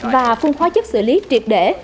và phun khoá chất xử lý triệt để